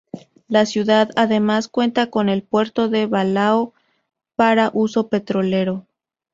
La ciudad, además cuenta con el Puerto de Balao para uso petrolero.